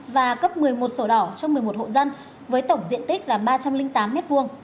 và cấp một mươi một sổ đỏ cho một mươi một hộ dân với tổng diện tích là ba trăm linh tám m hai